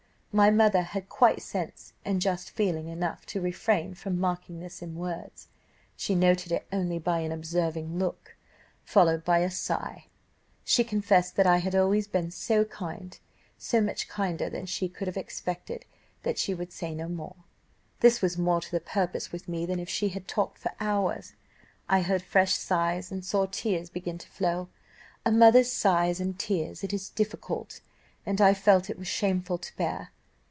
My mother had quite sense and just feeling enough to refrain from marking this in words. She noted it only by an observing look, followed by a sigh. She confessed that I had always been so kind, so much kinder than she could have expected, that she would say no more. This was more to the purpose with me than if she had talked for hours. I heard fresh sighs, and saw tears begin to flow a mother's sighs and tears it is difficult, and I felt it was shameful, to bear.